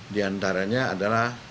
di antaranya adalah